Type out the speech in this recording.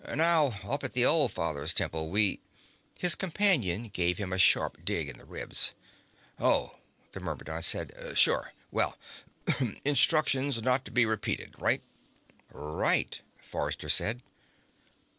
Now, up at the All Father's Temple, we " His companion gave him a sharp dig in the ribs. "Oh," the Myrmidon said. "Sure. Well. Instructions not to be repeated. Right?" "Right," Forrester said.